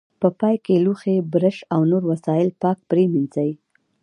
په پای کې لوښي، برش او نور وسایل پاک پرېمنځئ.